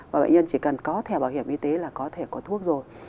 và bệnh nhân chỉ cần có thẻ bảo hiểm y tế là có thể có thuốc rồi